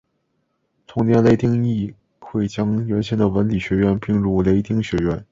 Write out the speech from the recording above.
同年雷丁议会将原先的文理学院并入雷丁学院。